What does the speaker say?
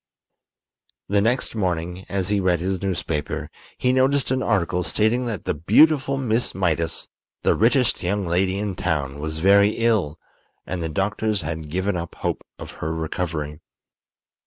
The next morning, as he read his newspaper, he noticed an article stating that the beautiful Miss Mydas, the richest young lady in town, was very ill, and the doctors had given up hope of her recovery.